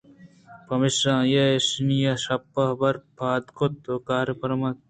پمیشا آئیءَایشاناں شپ ءِ جَبّارءَپاد کُت ءُ کار پرمات